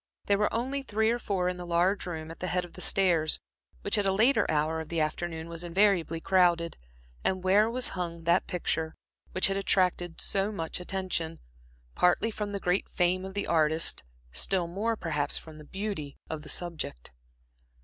There were only three or four in the large room at the head of the stairs, which at a later hour of the afternoon was invariably crowded, and where was hung that picture which had attracted so much attention, partly from the great fame of the artist, still more, perhaps, from the beauty of the subject.